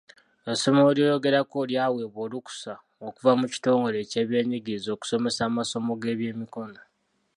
Essomero lyoyogerako lyawebwa olukusa okuva mu kitongoole ekyebyenjigiriza okusomesa amasomo g'ebyemikono